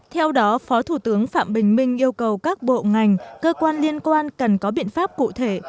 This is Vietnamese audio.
theo đó phó thủ tướng phạm bình minh yêu cầu các bộ ngành cơ quan liên quan cần có biện pháp cụ thể